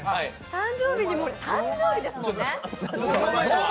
誕生日誕生日ですもんね。